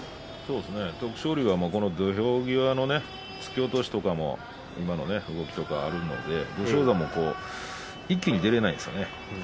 徳勝龍が土俵際の突き落としとか動きがあるので武将山も一気に出られないですよね。